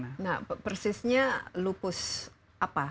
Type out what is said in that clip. nah persisnya lupus apa